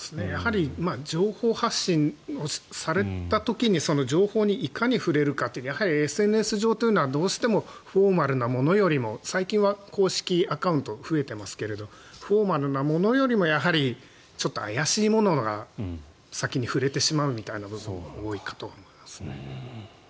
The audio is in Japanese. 情報発信をされた時にその情報にいかに触れるかってやはりＳＮＳ上というのはどうしてもフォーマルなものよりも最近は公式アカウントが増えていますけどもフォーマルなものよりもちょっと怪しいものが先に触れてしまうみたいな部分も多いかと思いますね。